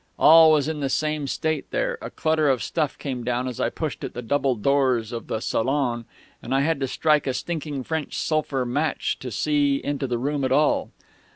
All was in the same state there. A clutter of stuff came down as I pushed at the double doors of the salon, and I had to strike a stinking French sulphur match to see into the room at all.